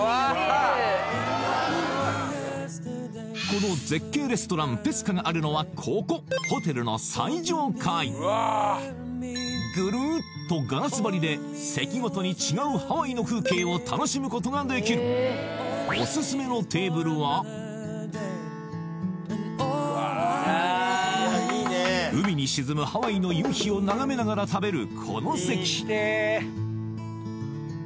この絶景レストランペスカがあるのはここホテルの最上階グルッとガラス張りで席ごとに違うハワイの風景を楽しむことができる海に沈むハワイの夕日を眺めながら食べる